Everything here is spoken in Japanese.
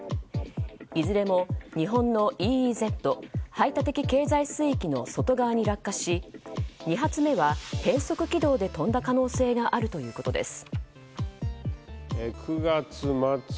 いずれも日本のＥＥＺ・排他的経済水域の外側に落下し２発目は変則軌道で飛んだ可能性があるということです。